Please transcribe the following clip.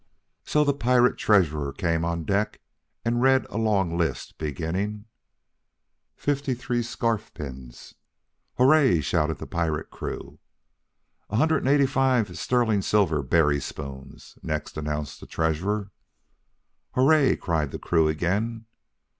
So the pirate treasurer came on deck, and read a long list beginning, "Fifty three scarf pins." "Hooray!" shouted the pirate crew. "A hundred and eighty five sterling silver berry spoons," next announced the treasurer. "Hooray!" cried the crew again.